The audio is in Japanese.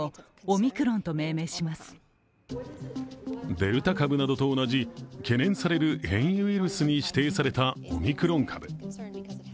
デルタ株などと同じ懸念される変異ウイルスに指定されたオミクロン株。